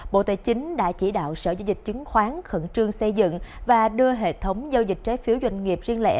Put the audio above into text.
bộ tài chính đã chỉ đạo sở giao dịch chứng khoán khẩn trương xây dựng và đưa hệ thống giao dịch trái phiếu doanh nghiệp riêng lẻ